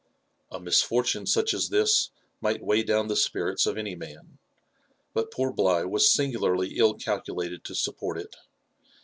A misfortune such as this might weigh down the spirits of any man ; hut poor Bligh was singularly ill calculated to support it.